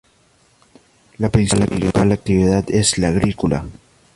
La principal actividad es la agrícola.